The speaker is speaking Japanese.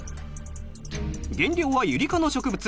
原料はユリ科の植物。